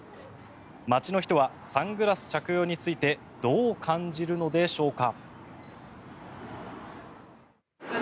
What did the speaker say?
街の人はサングラス着用についてどう感じるのでしょうか。